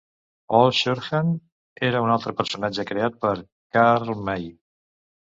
Old Surehand és un altre personatge creat per Karl May.